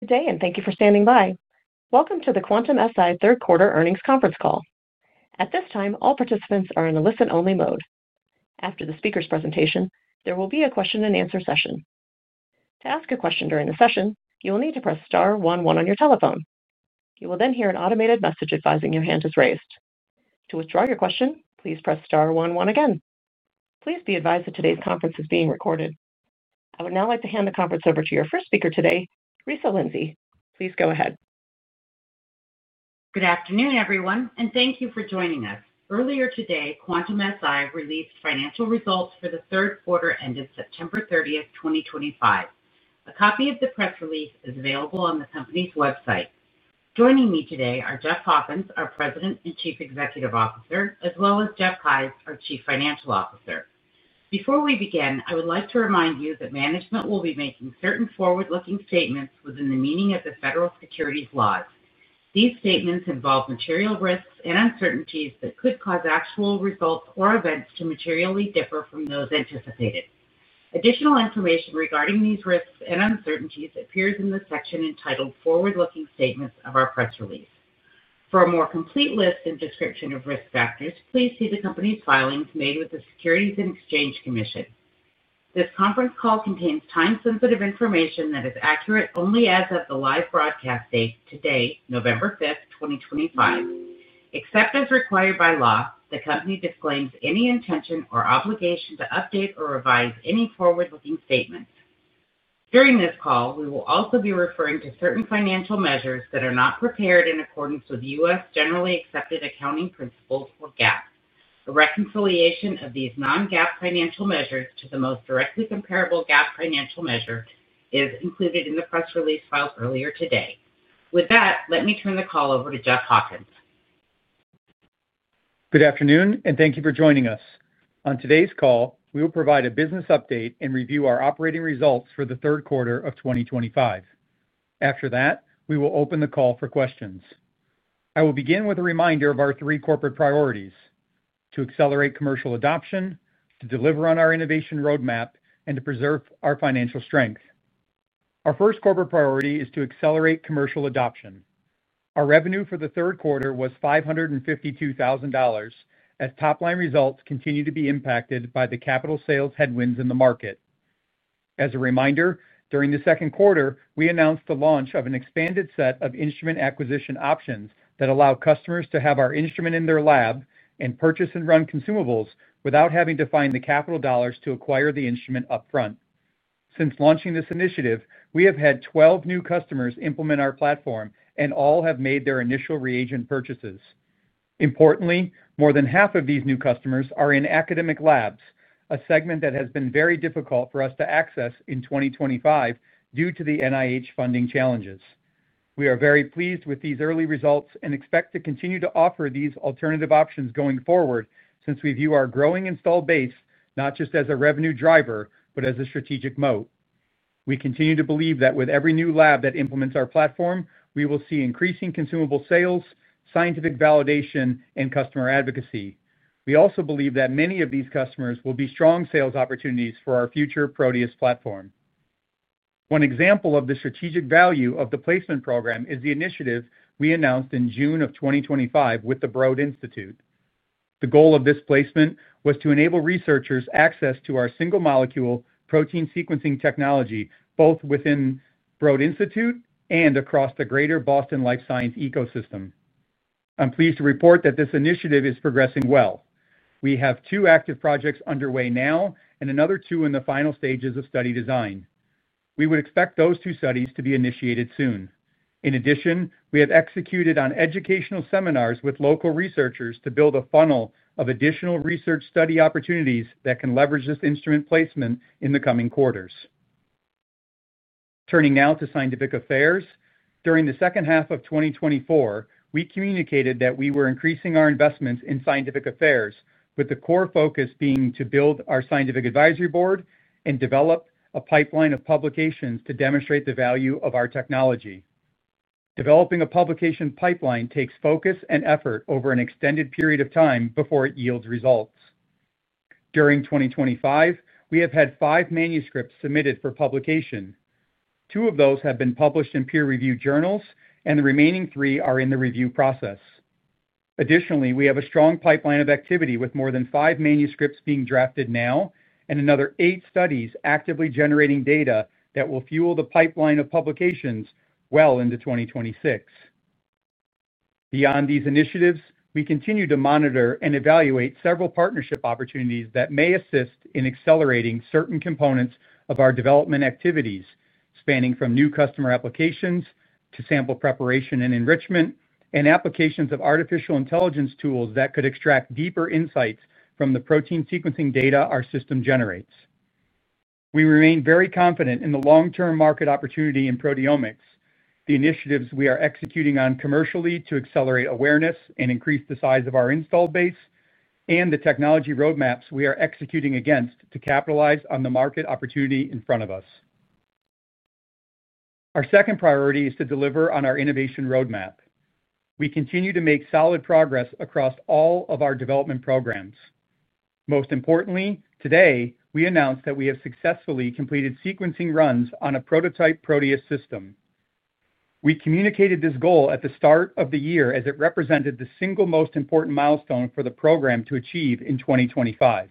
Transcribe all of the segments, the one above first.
Good day, and thank you for standing by. Welcome to the Quantum-Si third quarter earnings conference call. At this time, all participants are in a listen-only mode. After the speaker's presentation, there will be a question-and-answer session. To ask a question during the session, you will need to press star one one on your telephone. You will then hear an automated message advising your hand is raised. To withdraw your question, please press star one one again. Please be advised that today's conference is being recorded. I would now like to hand the conference over to your first speaker today, Risa Lindsay. Please go ahead. Good afternoon, everyone, and thank you for joining us. Earlier today, Quantum-Si released financial results for the third quarter ended September 30, 2025. A copy of the press release is available on the company's website. Joining me today are Jeff Hawkins, our President and Chief Executive Officer, as well as Jeff Keyes, our Chief Financial Officer. Before we begin, I would like to remind you that management will be making certain forward-looking statements within the meaning of the federal securities laws. These statements involve material risks and uncertainties that could cause actual results or events to materially differ from those anticipated. Additional information regarding these risks and uncertainties appears in the section entitled Forward-Looking Statements of our press release. For a more complete list and description of risk factors, please see the company's filings made with the Securities and Exchange Commission. This conference call contains time-sensitive information that is accurate only as of the live broadcast date today, November 5th, 2025. Except as required by law, the company disclaims any intention or obligation to update or revise any forward-looking statements. During this call, we will also be referring to certain financial measures that are not prepared in accordance with U.S. generally accepted accounting principles or GAAP. A reconciliation of these non-GAAP financial measures to the most directly comparable GAAP financial measure is included in the press release filed earlier today. With that, let me turn the call over to Jeff Hawkins. Good afternoon, and thank you for joining us. On today's call, we will provide a business update and review our operating results for the third quarter of 2025. After that, we will open the call for questions. I will begin with a reminder of our three corporate priorities: to accelerate commercial adoption, to deliver on our innovation roadmap, and to preserve our financial strength. Our first corporate priority is to accelerate commercial adoption. Our revenue for the third quarter was $552,000. As top-line results continue to be impacted by the capital sales headwinds in the market. As a reminder, during the second quarter, we announced the launch of an expanded set of instrument acquisition options that allow customers to have our instrument in their lab and purchase and run consumables without having to find the capital dollars to acquire the instrument upfront. Since launching this initiative, we have had 12 new customers implement our platform, and all have made their initial reagent purchases. Importantly, more than half of these new customers are in academic labs, a segment that has been very difficult for us to access in 2023 due to the NIH funding challenges. We are very pleased with these early results and expect to continue to offer these alternative options going forward since we view our growing install base not just as a revenue driver, but as a strategic moat. We continue to believe that with every new lab that implements our platform, we will see increasing consumable sales, scientific validation, and customer advocacy. We also believe that many of these customers will be strong sales opportunities for our future Proteus platform. One example of the strategic value of the placement program is the initiative we announced in June of 2025 with the Broad Institute. The goal of this placement was to enable researchers access to our single-molecule protein sequencing technology both within Broad Institute and across the greater Boston life science ecosystem. I'm pleased to report that this initiative is progressing well. We have two active projects underway now and another two in the final stages of study design. We would expect those two studies to be initiated soon. In addition, we have executed on educational seminars with local researchers to build a funnel of additional research study opportunities that can leverage this instrument placement in the coming quarters. Turning now to scientific affairs, during the second half of 2024, we communicated that we were increasing our investments in scientific affairs, with the core focus being to build our scientific advisory board and develop a pipeline of publications to demonstrate the value of our technology. Developing a publication pipeline takes focus and effort over an extended period of time before it yields results. During 2025, we have had five manuscripts submitted for publication. Two of those have been published in peer-reviewed journals, and the remaining three are in the review process. Additionally, we have a strong pipeline of activity with more than five manuscripts being drafted now and another eight studies actively generating data that will fuel the pipeline of publications well into 2026. Beyond these initiatives, we continue to monitor and evaluate several partnership opportunities that may assist in accelerating certain components of our development activities, spanning from new customer applications to sample preparation and enrichment and applications of artificial intelligence tools that could extract deeper insights from the protein sequencing data our system generates. We remain very confident in the long-term market opportunity in proteomics, the initiatives we are executing on commercially to accelerate awareness and increase the size of our install base, and the technology roadmaps we are executing against to capitalize on the market opportunity in front of us. Our second priority is to deliver on our innovation roadmap. We continue to make solid progress across all of our development programs. Most importantly, today, we announced that we have successfully completed sequencing runs on a prototype Proteus system. We communicated this goal at the start of the year as it represented the single most important milestone for the program to achieve in 2025.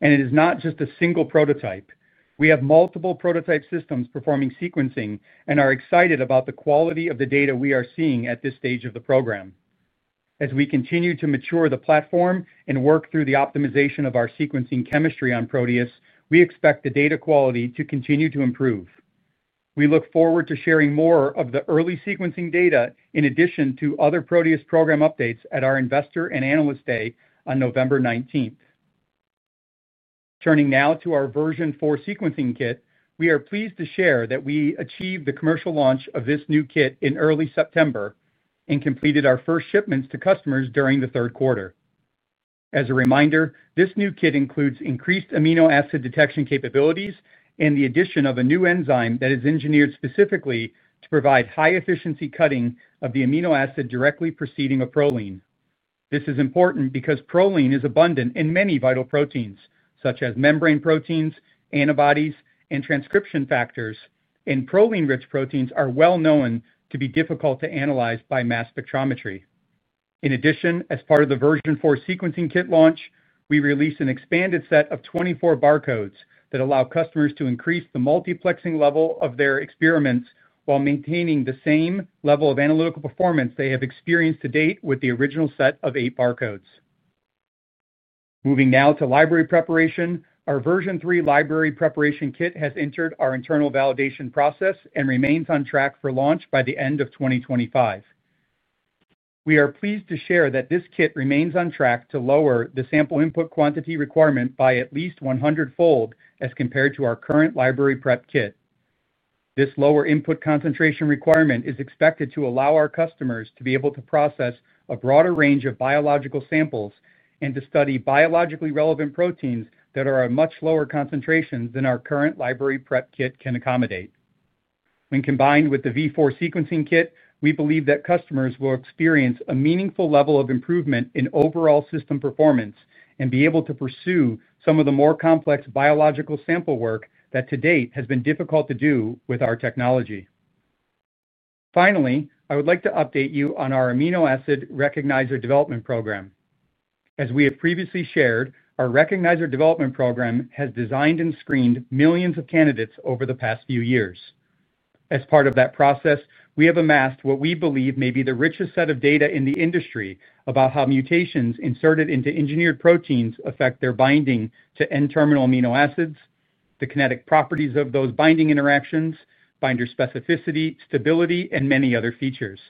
It is not just a single prototype. We have multiple prototype systems performing sequencing and are excited about the quality of the data we are seeing at this stage of the program. As we continue to mature the platform and work through the optimization of our sequencing chemistry on Proteus, we expect the data quality to continue to improve. We look forward to sharing more of the early sequencing data in addition to other Proteus program updates at our Investor and Analyst Day on November 19th. Turning now to our version 4 Sequencing Kit, we are pleased to share that we achieved the commercial launch of this new kit in early September and completed our first shipments to customers during the third quarter. As a reminder, this new kit includes increased amino acid detection capabilities and the addition of a new enzyme that is engineered specifically to provide high-efficiency cutting of the amino acid directly preceding a proline. This is important because proline is abundant in many vital proteins, such as membrane proteins, antibodies, and transcription factors, and proline-rich proteins are well known to be difficult to analyze by mass spectrometry. In addition, as part of the version 4 Sequencing Kit launch, we released an expanded set of 24 barcodes that allow customers to increase the multiplexing level of their experiments while maintaining the same level of analytical performance they have experienced to date with the original set of eight barcodes. Moving now to library preparation, our version 3 library preparation kit has entered our internal validation process and remains on track for launch by the end of 2025. We are pleased to share that this kit remains on track to lower the sample input quantity requirement by at least 100-fold as compared to our current library preparation kit. This lower input concentration requirement is expected to allow our customers to be able to process a broader range of biological samples and to study biologically relevant proteins that are at much lower concentrations than our current library preparation kit can accommodate. When combined with the Version 4 Sequencing Kit, we believe that customers will experience a meaningful level of improvement in overall system performance and be able to pursue some of the more complex biological sample work that to date has been difficult to do with our technology. Finally, I would like to update you on our amino acid recognizer development program. As we have previously shared, our recognizer development program has designed and screened millions of candidates over the past few years. As part of that process, we have amassed what we believe may be the richest set of data in the industry about how mutations inserted into engineered proteins affect their binding to end-terminal amino acids, the kinetic properties of those binding interactions, binder specificity, stability, and many other features.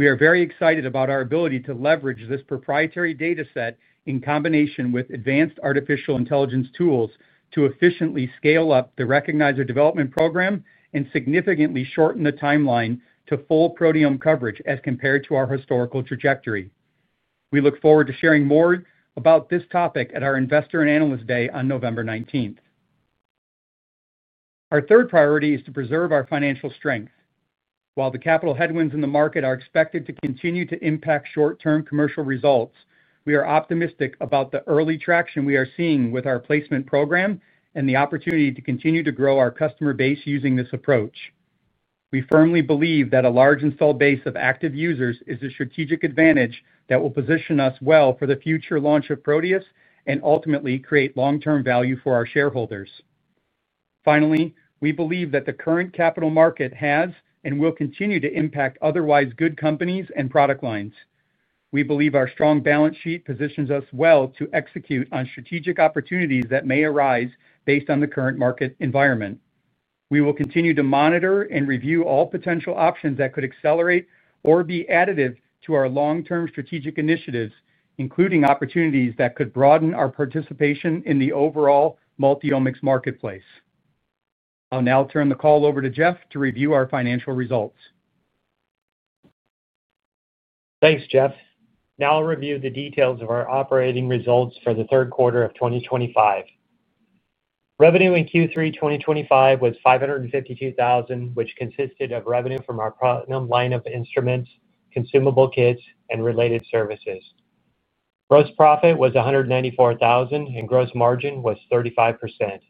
We are very excited about our ability to leverage this proprietary data set in combination with advanced artificial intelligence tools to efficiently scale up the recognizer development program and significantly shorten the timeline to full proteome coverage as compared to our historical trajectory. We look forward to sharing more about this topic at our Investor and Analyst Day on November 19th. Our third priority is to preserve our financial strength. While the capital headwinds in the market are expected to continue to impact short-term commercial results, we are optimistic about the early traction we are seeing with our placement program and the opportunity to continue to grow our customer base using this approach. We firmly believe that a large install base of active users is a strategic advantage that will position us well for the future launch of Proteus and ultimately create long-term value for our shareholders. Finally, we believe that the current capital market has and will continue to impact otherwise good companies and product lines. We believe our strong balance sheet positions us well to execute on strategic opportunities that may arise based on the current market environment. We will continue to monitor and review all potential options that could accelerate or be additive to our long-term strategic initiatives, including opportunities that could broaden our participation in the overall multi-omics marketplace. I'll now turn the call over to Jeff to review our financial results. Thanks, Jeff. Now I'll review the details of our operating results for the third quarter of 2025. Revenue in Q3 2025 was $552,000, which consisted of revenue from our Platinum line of instruments, consumable kits, and related services. Gross profit was $194,000, and gross margin was 35%.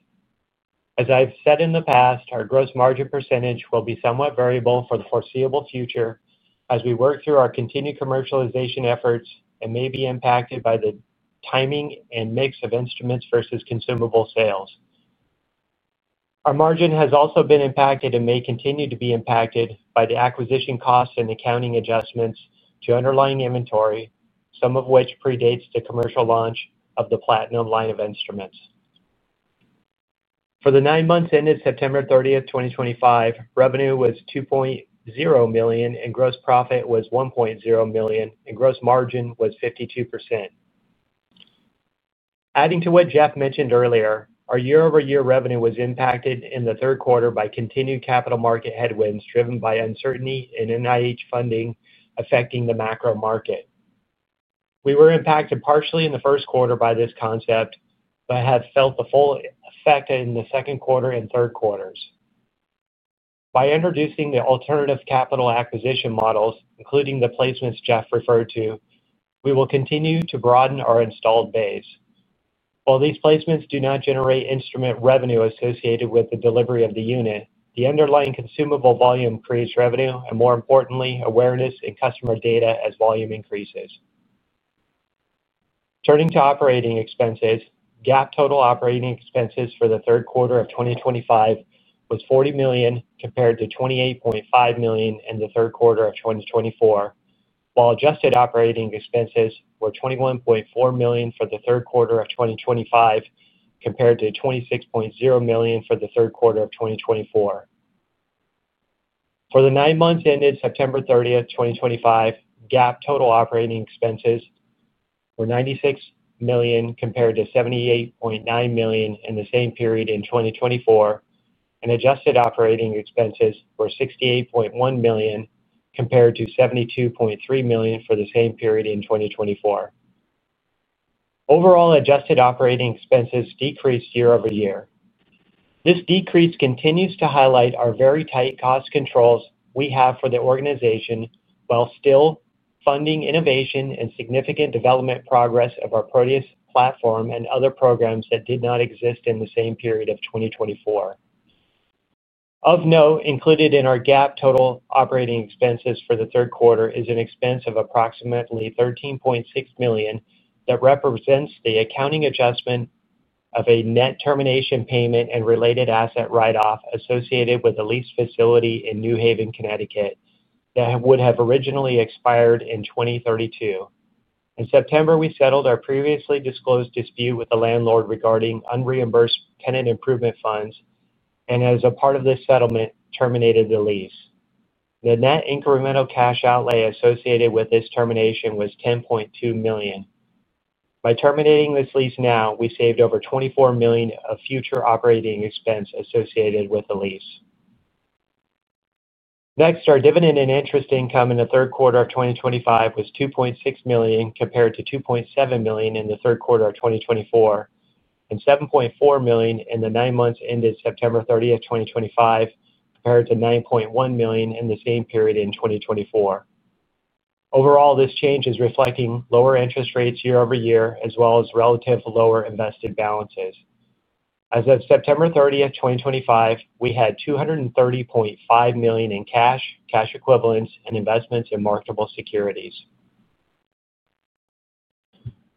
As I've said in the past, our gross margin percentage will be somewhat variable for the foreseeable future as we work through our continued commercialization efforts and may be impacted by the timing and mix of instruments versus consumable sales. Our margin has also been impacted and may continue to be impacted by the acquisition costs and accounting adjustments to underlying inventory, some of which predates the commercial launch of the Platinum line of instruments. For the nine months ended September 30th, 2025, revenue was $2.0 million, and gross profit was $1.0 million, and gross margin was 52%. Adding to what Jeff mentioned earlier, our year-over-year revenue was impacted in the third quarter by continued capital market headwinds driven by uncertainty in NIH funding affecting the macro market. We were impacted partially in the first quarter by this concept but have felt the full effect in the second quarter and third quarters. By introducing the alternative capital acquisition models, including the placements Jeff referred to, we will continue to broaden our installed base. While these placements do not generate instrument revenue associated with the delivery of the unit, the underlying consumable volume creates revenue and, more importantly, awareness in customer data as volume increases. Turning to operating expenses, GAAP total operating expenses for the third quarter of 2025 was $40 million compared to $28.5 million in the third quarter of 2024, while Adjusted Operating Expenses were $21.4 million for the third quarter of 2025 compared to $26.0 million for the third quarter of 2024. For the nine months ended September 30, 2025, GAAP total operating expenses were $96 million compared to $78.9 million in the same period in 2024, and Adjusted Operating Expenses were $68.1 million compared to $72.3 million for the same period in 2024. Overall, Adjusted Operating Expenses decreased year over year. This decrease continues to highlight our very tight cost controls we have for the organization while still funding innovation and significant development progress of our Proteus platform and other programs that did not exist in the same period of 2024. Of note, included in our GAAP total operating expenses for the third quarter is an expense of approximately $13.6 million that represents the accounting adjustment of a net termination payment and related asset write-off associated with a lease facility in New Haven, Connecticut, that would have originally expired in 2032. In September, we settled our previously disclosed dispute with the landlord regarding unreimbursed tenant improvement funds and, as a part of this settlement, terminated the lease. The net incremental cash outlay associated with this termination was $10.2 million. By terminating this lease now, we saved over $24 million of future operating expense associated with the lease. Next, our dividend and interest income in the third quarter of 2025 was $2.6 million compared to $2.7 million in the third quarter of 2024, and $7.4 million in the nine months ended September 30, 2025, compared to $9.1 million in the same period in 2024. Overall, this change is reflecting lower interest rates year over year, as well as relative lower invested balances. As of September 30, 2025, we had $230.5 million in cash, cash equivalents, and investments in marketable securities.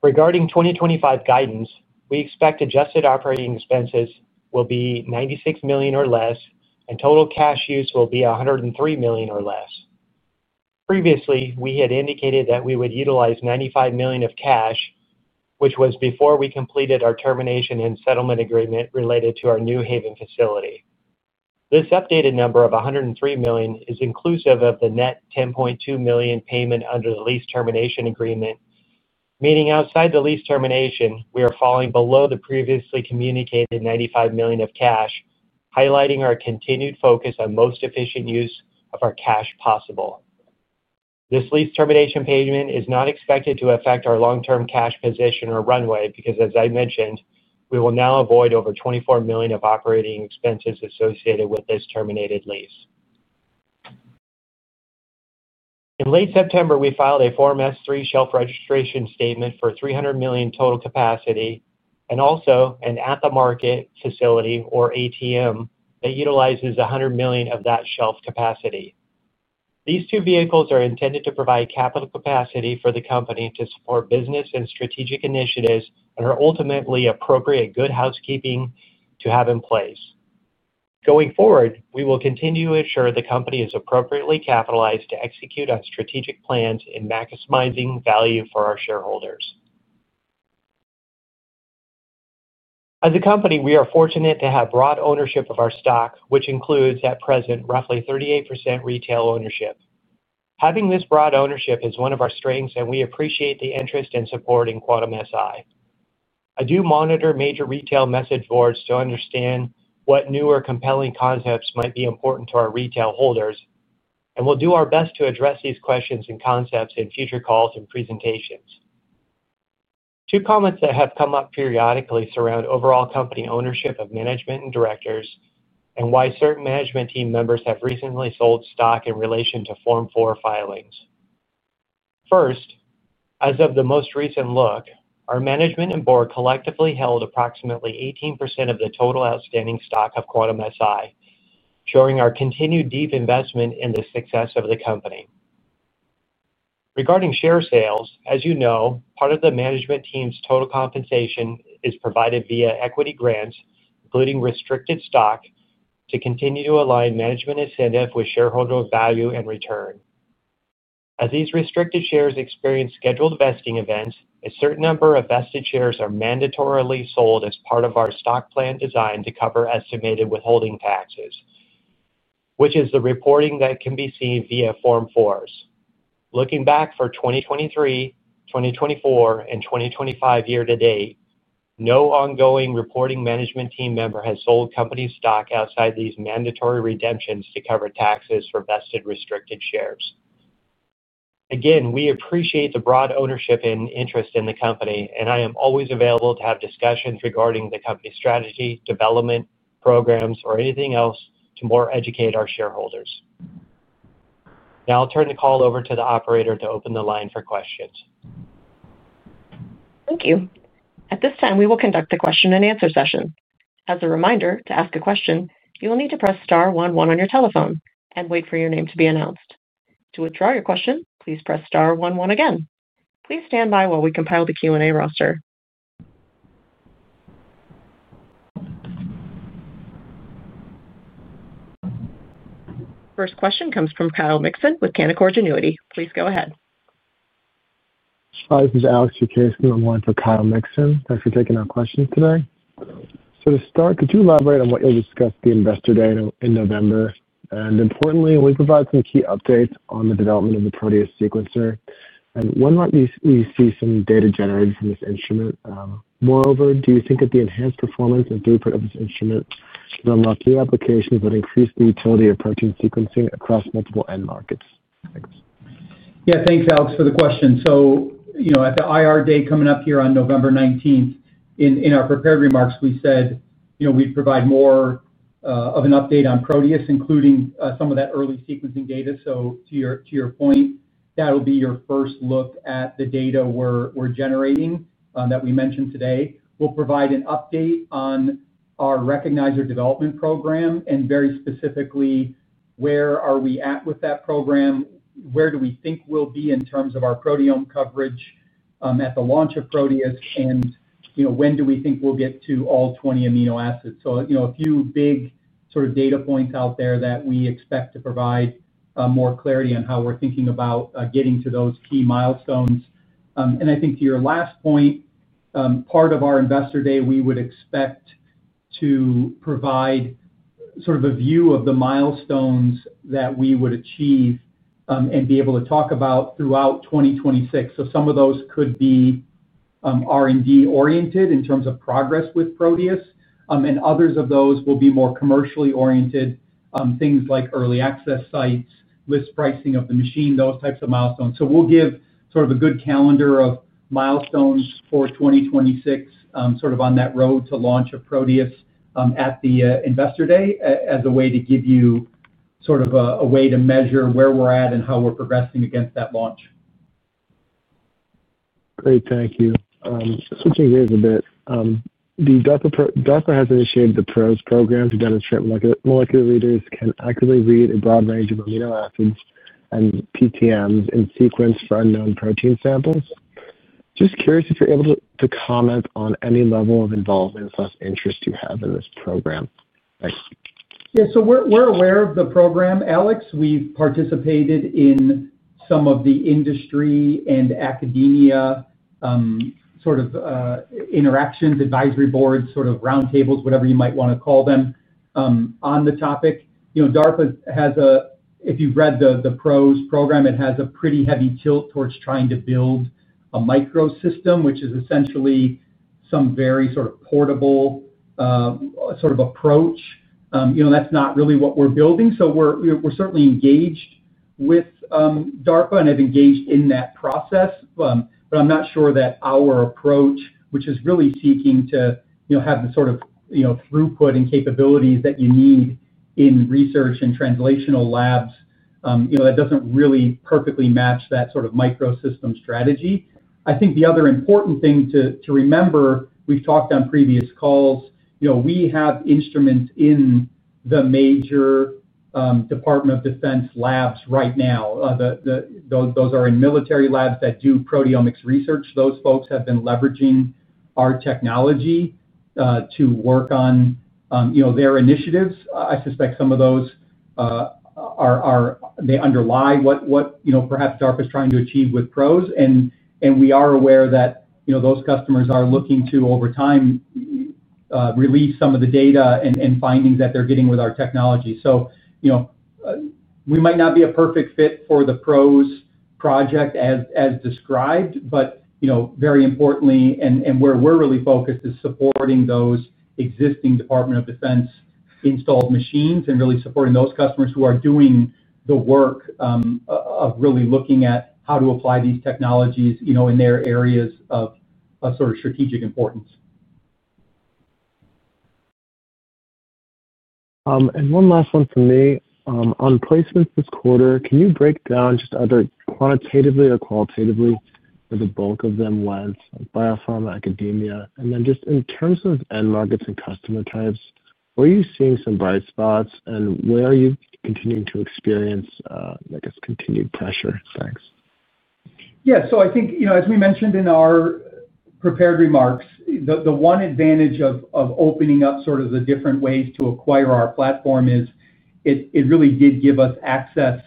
Regarding 2025 guidance, we expect Adjusted Operating Expenses will be $96 million or less, and total cash use will be $103 million or less. Previously, we had indicated that we would utilize $95 million of cash, which was before we completed our termination and settlement agreement related to our New Haven facility. This updated number of $103 million is inclusive of the net $10.2 million payment under the lease termination agreement, meaning outside the lease termination, we are falling below the previously communicated $95 million of cash, highlighting our continued focus on most efficient use of our cash possible. This lease termination payment is not expected to affect our long-term cash position or runway because, as I mentioned, we will now avoid over $24 million of operating expenses associated with this terminated lease. In late September, we filed a Form S-3 shelf registration statement for $300 million total capacity and also an at-the-market facility, or ATM, that utilizes $100 million of that shelf capacity. These two vehicles are intended to provide capital capacity for the company to support business and strategic initiatives and are ultimately appropriate good housekeeping to have in place. Going forward, we will continue to ensure the company is appropriately capitalized to execute on strategic plans in maximizing value for our shareholders. As a company, we are fortunate to have broad ownership of our stock, which includes, at present, roughly 38% retail ownership. Having this broad ownership is one of our strengths, and we appreciate the interest and support in Quantum-Si. I do monitor major retail message boards to understand what new or compelling concepts might be important to our retail holders, and we'll do our best to address these questions and concepts in future calls and presentations. Two comments that have come up periodically surround overall company ownership of management and directors and why certain management team members have recently sold stock in relation to Form 4 filings. First, as of the most recent look, our management and board collectively held approximately 18% of the total outstanding stock of Quantum-Si, showing our continued deep investment in the success of the company. Regarding share sales, as you know, part of the management team's total compensation is provided via equity grants, including restricted stock, to continue to align management incentive with shareholder value and return. As these restricted shares experience scheduled vesting events, a certain number of vested shares are mandatorily sold as part of our stock plan designed to cover estimated withholding taxes. This is the reporting that can be seen via Form 4s. Looking back for 2023, 2024, and 2025 year to date, no ongoing reporting management team member has sold company stock outside these mandatory redemptions to cover taxes for vested restricted shares. Again, we appreciate the broad ownership and interest in the company, and I am always available to have discussions regarding the company's strategy, development, programs, or anything else to more educate our shareholders. Now I'll turn the call over to the operator to open the line for questions. Thank you. At this time, we will conduct the question and answer session. As a reminder, to ask a question, you will need to press star one one on your telephone and wait for your name to be announced. To withdraw your question, please press star one one again. Please stand by while we compile the Q&A roster. First question comes from Kyle Mikson with Canaccord Genuity. Please go ahead. Hi, this is Alex Schmitz online for Kyle Mikson. Thanks for taking our questions today. To start, could you elaborate on what you'll discuss at the investor day in November? Importantly, will you provide some key updates on the development of the Proteus sequencer, and when might we see some data generated from this instrument? Moreover, do you think that the enhanced performance and throughput of this instrument can unlock new applications that increase the utility of protein sequencing across multiple end markets? Thanks. Yeah, thanks, Alex, for the question. You know, at the IR day coming up here on November 19th, in our prepared remarks, we said we'd provide more of an update on Proteus, including some of that early sequencing data. To your point, that'll be your first look at the data we're generating that we mentioned today. We'll provide an update on our recognizer development program and very specifically where are we at with that program, where do we think we'll be in terms of our proteome coverage at the launch of Proteus, and, you know, when do we think we'll get to all 20 amino acids? You know, a few big sort of data points out there that we expect to provide more clarity on how we're thinking about getting to those key milestones. I think to your last point. Part of our investor day, we would expect to provide sort of a view of the milestones that we would achieve and be able to talk about throughout 2026. Some of those could be R&D oriented in terms of progress with Proteus, and others of those will be more commercially oriented, things like early access sites, list pricing of the machine, those types of milestones. We will give sort of a good calendar of milestones for 2026, sort of on that road to launch of Proteus at the investor day as a way to give you sort of a way to measure where we're at and how we're progressing against that launch. Great, thank you. Switching gears a bit, DARPA has initiated the PROs program to demonstrate molecular readers can accurately read a broad range of amino acids and PTMs in sequence for unknown protein samples. Just curious if you're able to comment on any level of involvement or interest you have in this program. Thanks. Yeah, so we're aware of the program, Alex. We've participated in some of the industry and academia sort of interactions, advisory boards, sort of round tables, whatever you might want to call them, on the topic. You know, DARPA has a, if you've read the PROs program, it has a pretty heavy tilt towards trying to build a microsystem, which is essentially some very sort of portable sort of approach. You know, that's not really what we're building. We are certainly engaged with DARPA and have engaged in that process. I'm not sure that our approach, which is really seeking to, you know, have the sort of, you know, throughput and capabilities that you need in research and translational labs, you know, that doesn't really perfectly match that sort of microsystem strategy I think the other important thing to remember, we've talked on previous calls, you know, we have instruments in the major Department of Defense labs right now. Those are in military labs that do proteomics research. Those folks have been leveraging our technology to work on, you know, their initiatives. I suspect some of those are, they underlie what, you know, perhaps DARPA is trying to achieve with PROs. And we are aware that, you know, those customers are looking to, over time, release some of the data and findings that they're getting with our technology. You know, we might not be a perfect fit for the PROs project as described, but, you know, very importantly, and where we're really focused is supporting those existing Department of Defense installed machines and really supporting those customers who are doing the work. Of really looking at how to apply these technologies, you know, in their areas of sort of strategic importance. One last one for me. On placements this quarter, can you break down just either quantitatively or qualitatively where the bulk of them went, biopharma, academia, and then just in terms of end markets and customer types, where are you seeing some bright spots and where are you continuing to experience, I guess, continued pressure? Thanks. Yeah, so I think, you know, as we mentioned in our prepared remarks, the one advantage of opening up sort of the different ways to acquire our platform is it really did give us access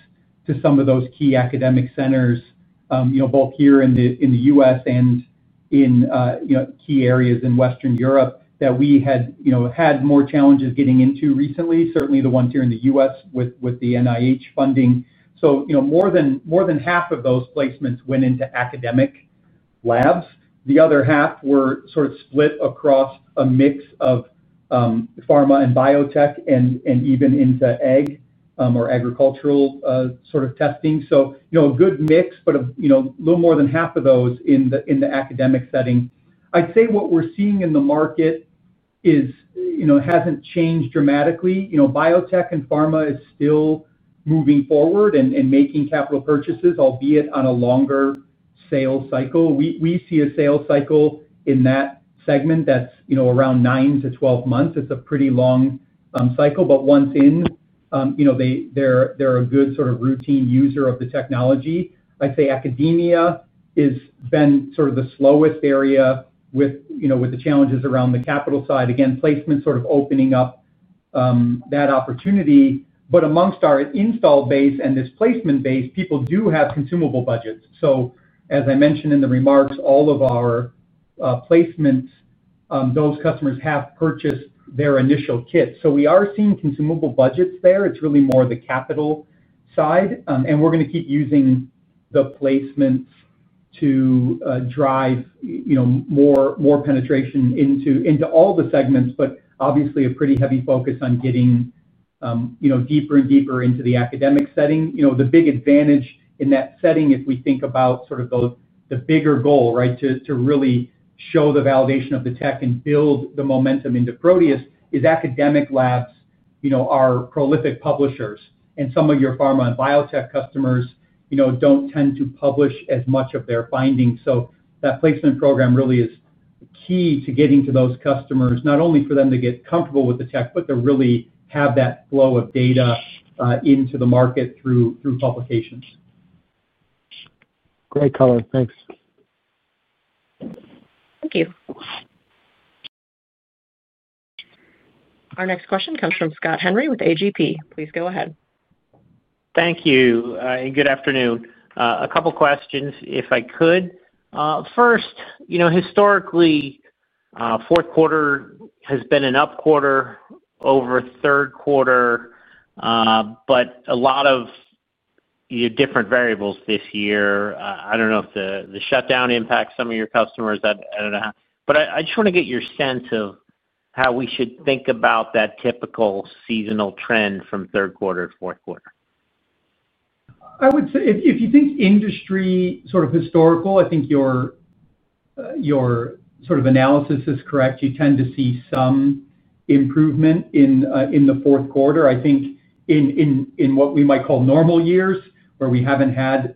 to some of those key academic centers, you know, both here in the U.S. and in, you know, key areas in Western Europe that we had, you know, had more challenges getting into recently, certainly the ones here in the U.S. with the NIH funding. You know, more than half of those placements went into academic labs. The other half were sort of split across a mix of pharma and biotech and even into ag or agricultural sort of testing. You know, a good mix, but, you know, a little more than half of those in the academic setting. I'd say what we're seeing in the market is, you know, hasn't changed dramatically. You know, biotech and pharma is still moving forward and making capital purchases, albeit on a longer sales cycle. We see a sales cycle in that segment that's, you know, around nine to twelve months. It's a pretty long cycle, but once in, you know, they're a good sort of routine user of the technology. I'd say academia has been sort of the slowest area with, you know, with the challenges around the capital side. Again, placements sort of opening up that opportunity. But amongst our install base and this placement base, people do have consumable budgets. As I mentioned in the remarks, all of our placements, those customers have purchased their initial kit. We are seeing consumable budgets there. It's really more the capital side. We're going to keep using the placements to. Drive, you know, more penetration into all the segments, but obviously a pretty heavy focus on getting, you know, deeper and deeper into the academic setting. You know, the big advantage in that setting, if we think about sort of the bigger goal, right, to really show the validation of the tech and build the momentum into Proteus, is academic labs, you know, are prolific publishers. And some of your pharma and biotech customers, you know, do not tend to publish as much of their findings. That placement program really is key to getting to those customers, not only for them to get comfortable with the tech, but to really have that flow of data into the market through publications. Great, color. Thanks. Thank you. Our next question comes from Scott Henry with AGP. Please go ahead. Thank you. And good afternoon. A couple of questions, if I could. First, you know, historically, fourth quarter has been an up quarter, over third quarter. But a lot of different variables this year. I do not know if the shutdown impacts some of your customers. I do not know. But I just want to get your sense of how we should think about that typical seasonal trend from third quarter to fourth quarter. I would say if you think industry sort of historical, I think your sort of analysis is correct. You tend to see some improvement in the fourth quarter. I think in what we might call normal years, where we haven't had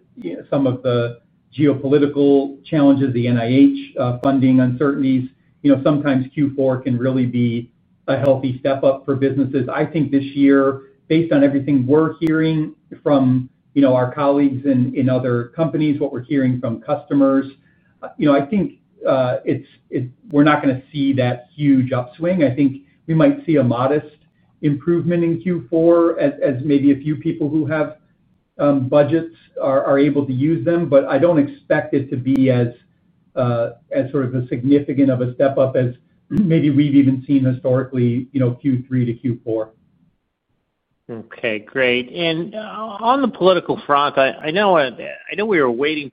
some of the geopolitical challenges, the NIH funding uncertainties, you know, sometimes Q4 can really be a healthy step up for businesses. I think this year, based on everything we're hearing from, you know, our colleagues in other companies, what we're hearing from customers, you know, I think we're not going to see that huge upswing. I think we might see a modest improvement in Q4, as maybe a few people who have budgets are able to use them. I don't expect it to be as sort of a significant of a step up as maybe we've even seen historically, you know, Q3 to Q4. Okay, great. On the political front, I know we were waiting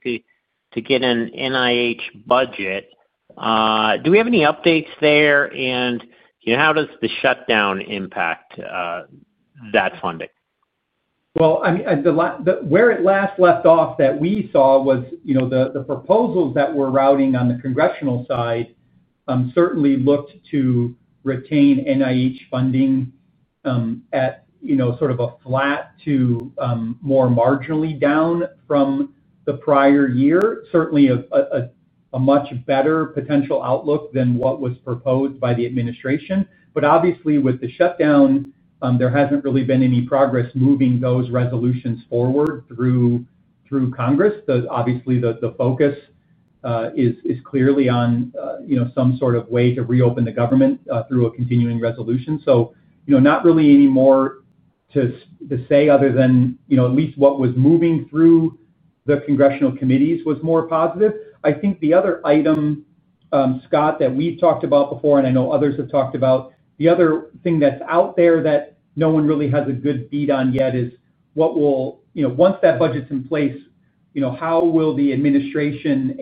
to get an NIH budget. Do we have any updates there? How does the shutdown impact that funding? Where it last left off that we saw was, you know, the proposals that we're routing on the congressional side certainly looked to retain NIH funding at, you know, sort of a flat to more marginally down from the prior year. Certainly a much better potential outlook than what was proposed by the administration. Obviously, with the shutdown, there hasn't really been any progress moving those resolutions forward through Congress. Obviously, the focus is clearly on, you know, some sort of way to reopen the government through a continuing resolution. You know, not really any more to say other than, you know, at least what was moving through the congressional committees was more positive. I think the other item. Scott, that we've talked about before, and I know others have talked about, the other thing that's out there that no one really has a good beat on yet is what will, you know, once that budget's in place, you know, how will the administration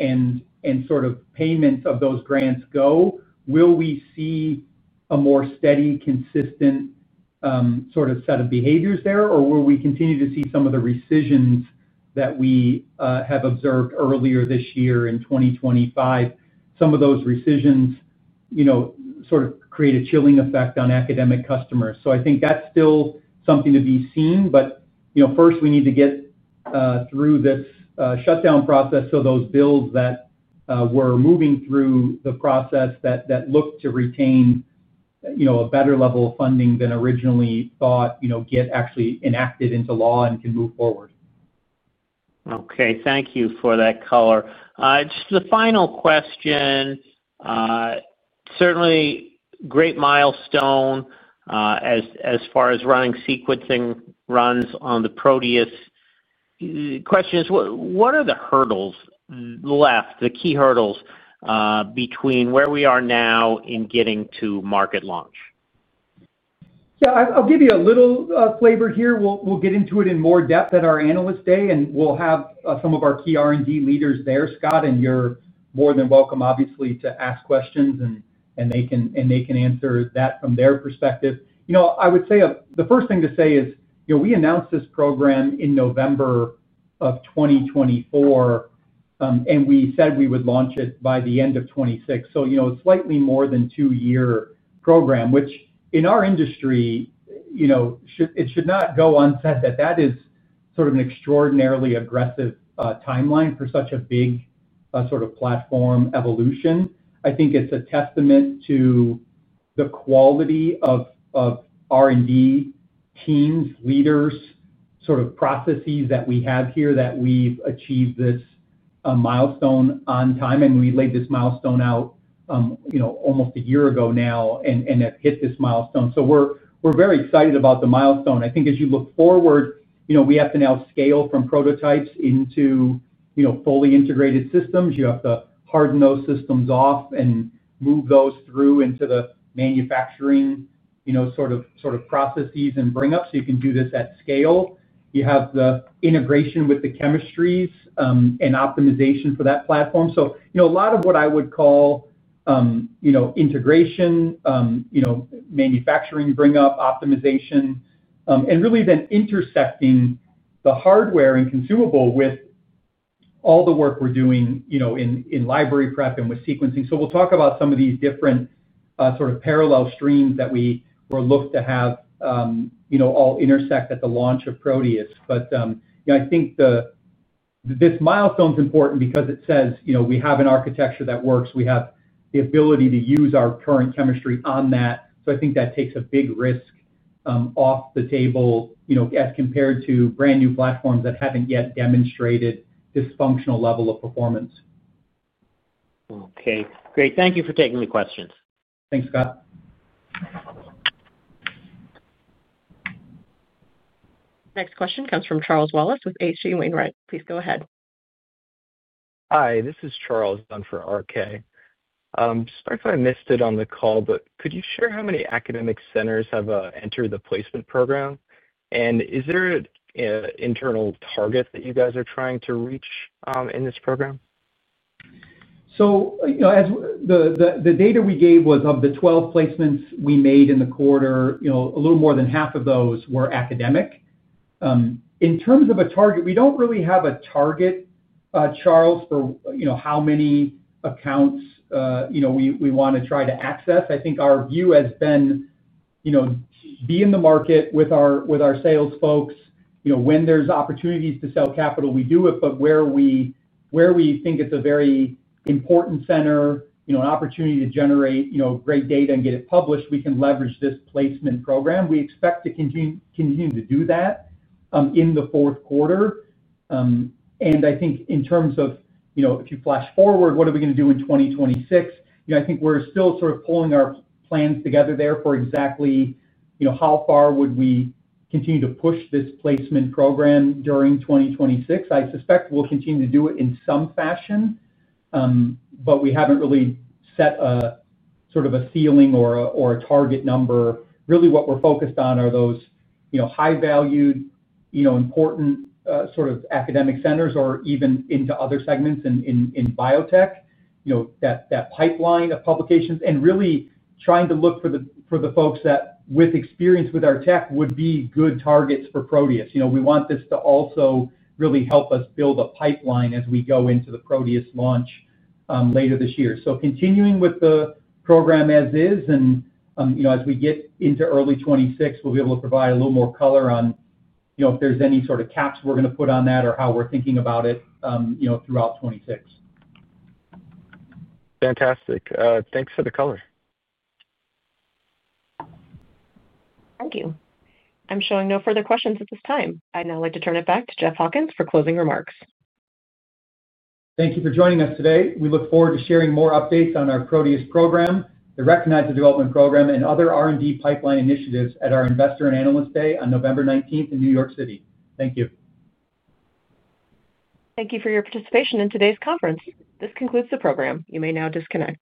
and sort of payment of those grants go? Will we see a more steady, consistent sort of set of behaviors there? Or will we continue to see some of the recisions that we have observed earlier this year in 2025, some of those recisions, you know, sort of create a chilling effect on academic customers? I think that's still something to be seen. But, you know, first, we need to get. Through this shutdown process so those bills that were moving through the process that looked to retain, you know, a better level of funding than originally thought, you know, get actually enacted into law and can move forward. Okay, thank you for that, color. Just the final question. Certainly great milestone. As far as running sequencing runs on the Proteus. Question is, what are the hurdles left, the key hurdles, between where we are now and getting to market launch? Yeah, I'll give you a little flavor here. We'll get into it in more depth at our analyst day, and we'll have some of our key R&D leaders there. Scott, and you're more than welcome, obviously, to ask questions, and they can answer that from their perspective. You know, I would say the first thing to say is, you know, we announced this program in November of 2024. And we said we would launch it by the end of 2026. So, you know, it's slightly more than a two-year program, which in our industry, you know, it should not go unsaid that that is sort of an extraordinarily aggressive timeline for such a big sort of platform evolution. I think it's a testament to the quality of R&D teams, leaders, sort of processes that we have here that we've achieved this milestone on time. And we laid this milestone out. You know, almost a year ago now and have hit this milestone. So we're very excited about the milestone. I think as you look forward, you know, we have to now scale from prototypes into, you know, fully integrated systems. You have to harden those systems off and move those through into the manufacturing, you know, sort of processes and bring up so you can do this at scale. You have the integration with the chemistries and optimization for that platform. So, you know, a lot of what I would call, you know, integration, you know, manufacturing, bring up, optimization, and really then intersecting the hardware and consumable with all the work we're doing, you know, in library prep and with sequencing. So we'll talk about some of these different sort of parallel streams that we will look to have, you know, all intersect at the launch of Proteus. You know, I think this milestone is important because it says, you know, we have an architecture that works. We have the ability to use our current chemistry on that. I think that takes a big risk off the table, you know, as compared to brand new platforms that haven't yet demonstrated this functional level of performance. Okay, great. Thank you for taking the questions. Thanks, Scott. Next question comes from Charles Wallace with H.C. Wainwright. Please go ahead. Hi, this is Charles for R.K. Sorry if I missed it on the call, but could you share how many academic centers have entered the placement program? Is there an internal target that you guys are trying to reach in this program? You know, as the data we gave was of the 12 placements we made in the quarter, a little more than half of those were academic. In terms of a target, we do not really have a target, Charles, for how many accounts we want to try to access. I think our view has been, be in the market with our sales folks. When there are opportunities to sell capital, we do it. Where we think it is a very important center, an opportunity to generate great data and get it published, we can leverage this placement program. We expect to continue to do that in the fourth quarter. I think in terms of, if you flash forward, what are we going to do in 2026? You know, I think we're still sort of pulling our plans together there for exactly, you know, how far would we continue to push this placement program during 2026. I suspect we'll continue to do it in some fashion. We haven't really set a sort of a ceiling or a target number. Really, what we're focused on are those, you know, high-valued, you know, important sort of academic centers or even into other segments in biotech, you know, that pipeline of publications. Really trying to look for the folks that, with experience with our tech, would be good targets for Proteus. You know, we want this to also really help us build a pipeline as we go into the Proteus launch later this year. Continuing with the program as is, and, you know, as we get into early 2026, we'll be able to provide a little more color on, you know, if there's any sort of caps we're going to put on that or how we're thinking about it, you know, throughout 2026. Fantastic. Thanks for the color. Thank you. I'm showing no further questions at this time. I'd now like to turn it back to Jeff Hawkins for closing remarks. Thank you for joining us today. We look forward to sharing more updates on our Proteus program, the Recognize the Development Program, and other R&D pipeline initiatives at our Investor and Analyst Day on November 19 in New York City. Thank you. Thank you for your participation in today's conference. This concludes the program. You may now disconnect.